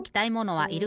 はい！